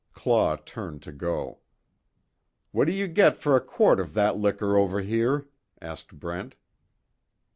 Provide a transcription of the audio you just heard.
Claw turned to go. "What do you get for a quart of that liquor over here," asked Brent.